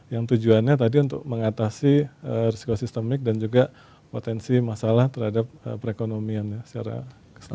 yang tujuannya tadi untuk mengatasi risiko sistemik dan juga potensi masalah terhadap perekonomian secara keseluruh